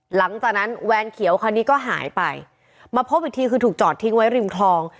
หลังจากนั้นแวนเขียวคันนี้ก็หายไปมาพบอีกทีคือถูกจอดทิ้งไว้ริมคลอง